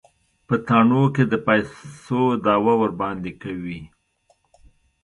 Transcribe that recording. په تاڼو کې د پيسو دعوه ورباندې کوي.